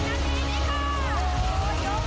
มันที่หน้าจอบ